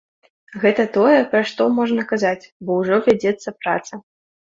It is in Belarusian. Гэта тое, пра што можна казаць, бо ўжо вядзецца праца.